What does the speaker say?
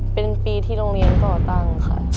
เป็นปีที่โรงเรียนก่อตั้งค่ะ